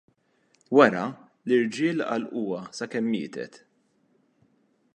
Wara, l-irġiel għallquha sakemm mietet.